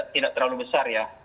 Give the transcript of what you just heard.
tidak terlalu besar ya